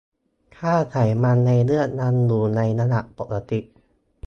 ค่าไขมันในเลือดยังอยู่ในระดับปกติ